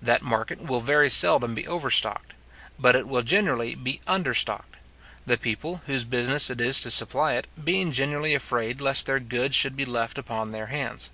That market will very seldom be overstocked; but it will generally be understocked; the people, whose business it is to supply it, being generally afraid lest their goods should be left upon their hands.